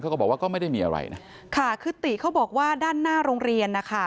ก็บอกว่าก็ไม่ได้มีอะไรนะค่ะคือติเขาบอกว่าด้านหน้าโรงเรียนนะคะ